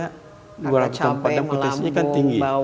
karena cabai melambung bawang